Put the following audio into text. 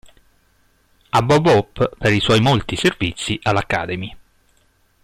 A Bob Hope per i suoi molti servizi all"Academy".